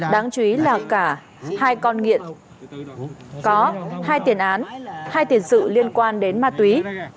đáng chú ý là cả hai con nghiện có hai tiền án hai tiền sự liên quan đến ma túy